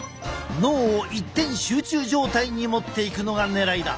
脳を一点集中状態に持っていくのがねらいだ。